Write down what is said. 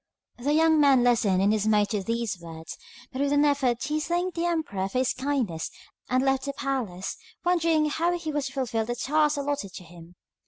The young man listened in dismay to these words, but with an effort he thanked the emperor for his kindness and left the palace, wondering how he was to fulfil the task allotted to him.